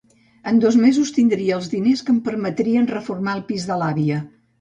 En dos mesos tindria els diners que em permetrien reformar el pis de l'àvia.